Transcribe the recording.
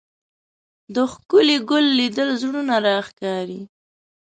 د ښکلي ګل لیدل زړونه راښکاري